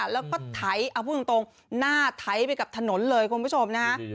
แล้วก็ไถพูดจริงหน้าไถไปกับถนนเลยคุณผู้ชม